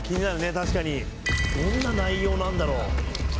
確かにどんな内容なんだろう